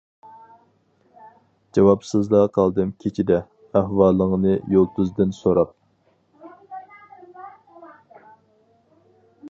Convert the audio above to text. جاۋابسىزلا قالدىم كېچىدە، ئەھۋالىڭنى يۇلتۇزدىن سوراپ.